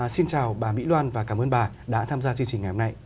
xin chào bà mỹ loan và cảm ơn bà đã tham gia chương trình ngày hôm nay